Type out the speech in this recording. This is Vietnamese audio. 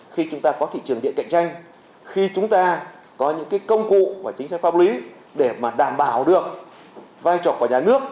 khi chúng ta có thị trường điện cạnh tranh khi chúng ta có những công cụ và chính sách pháp lý để mà đảm bảo được vai trò của nhà nước